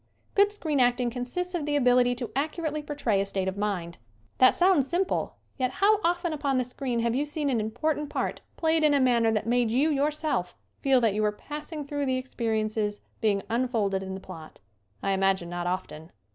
GOOD SCREEN acting consists of the ability to accurately portray a state of mind. That sounds simple, yet how often upon the screen have you seen an important part played in a manner that made you, yourself, feel that you were passing through the experiences be ing unfolded in the plot. I imagine not often.